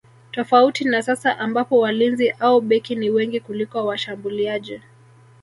Tofauti na sasa ambapo walinzi au beki ni wengi kuliko washambuliaji